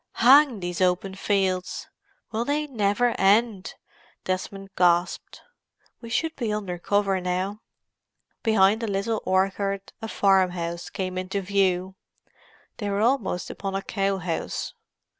"Hang these open fields!—will they never end!" Desmond gasped. "We should be under cover now." Behind a little orchard a farm house came into view; they were almost upon a cow house.